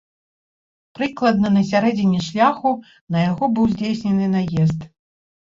Прыкладна на сярэдзіне шляху на яго быў здзейснены наезд.